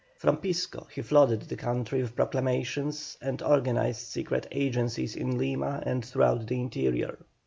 From Pisco he flooded the country with proclamations, and organized secret agencies in Lima and throughout the interior.